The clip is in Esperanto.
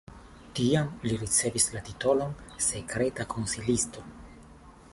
Tiam li ricevis la titolon sekreta konsilisto.